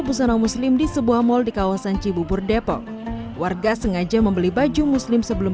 busana muslim di sebuah mal di kawasan cibubur depok warga sengaja membeli baju muslim sebelum